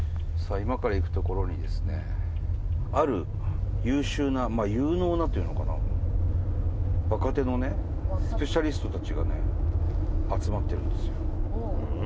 今から行く所にですねある優秀なまあ有能なというのかな若手のねスペシャリストたちがね集まってるんですようん？